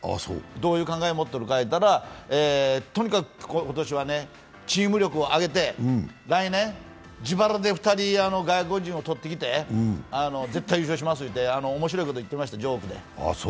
どういう考えを持っておるというたら、とにかく今年はチーム力を上げて来年、自腹で２人外国人を取ってきて、絶対優勝しますって面白いこと言ってました、ジョークで。